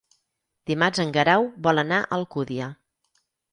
Dimarts en Guerau vol anar a Alcúdia.